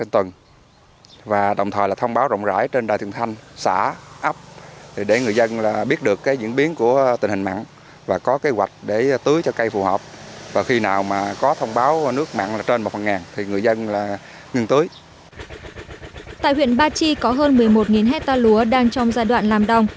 tại huyện ba chi có hơn một mươi một hectare lúa đang trong giai đoạn làm đồng